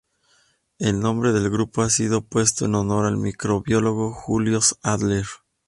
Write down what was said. El nombre del grupo ha sido puesto en honor al microbiólogo Julius Adler.